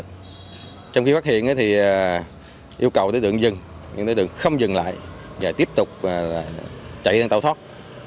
trong khi phát hiện thì yêu cầu tối tượng dừng nhưng tối tượng không dừng lại và tiếp tục chạy ra tàu thoát